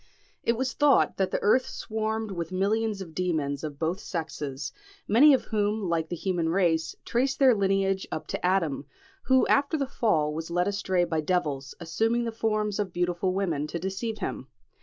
It was thought that the earth swarmed with millions of demons of both sexes, many of whom, like the human race, traced their lineage up to Adam, who after the fall was led astray by devils, assuming the forms of beautiful women to deceive him.